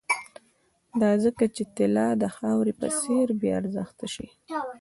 دا ځکه چې طلا د خاورې په څېر بې ارزښته شي